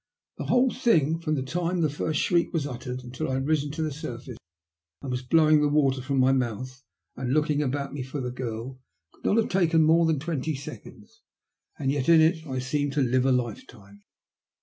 The whole thing, from the time the first shriek was uttered until I had risen to the surface, and was blowing the water from my mouth and looking about me for the girl, could not have taken more than twenty seconds, and yet in it I seemed to live a lifetime.